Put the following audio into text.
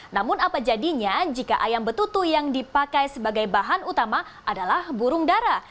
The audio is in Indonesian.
namun apa jadinya jika ayam betutu yang dipakai sebagai bahan utama adalah burung darah